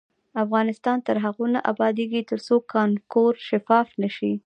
افغانستان تر هغو نه ابادیږي، ترڅو کانکور شفاف نشي.